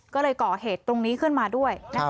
ก็เลยก่อเหตุตรงนี้ขึ้นมาด้วย